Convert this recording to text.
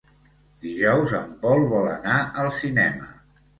Dijous en Pol vol anar al cinema.